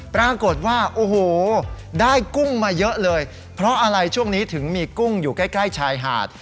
ปรากฏว่าโอ้โหได้กุ้งมาเยอะเลยเพราะอะไรช่วงนี้ถึงมีกุ้งอยู่ใกล้ชายหาด